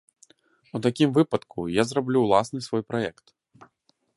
У такім выпадку я зраблю ўласна свой праект.